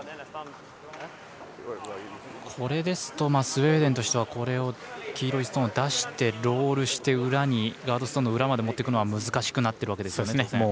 これですとスウェーデンとしてはこれを黄色いストーンを出してロールしてガードストーンの裏まで持ってくるのは難しくなっていますね。